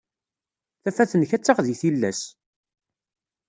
Tafat-nnek ad d-taɣ deg tillas.